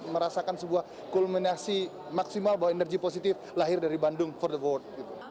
merasakan sebuah kulminasi maksimal bahwa energi positif lahir dari bandung for the world